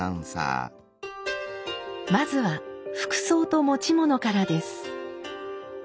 まずは服装と持ち物からです。